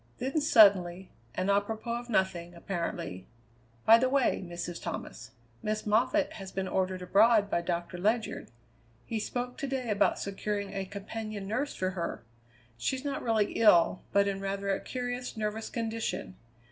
Then, suddenly, and apropos of nothing, apparently: "By the way, Mrs. Thomas, Miss Moffatt has been ordered abroad by Doctor Ledyard. He spoke to day about securing a companion nurse for her. She's not really ill, but in rather a curious nervous condition.